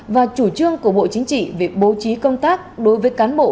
và chủ trương của bộ chính trị về bố trí công tác đối với cán bộ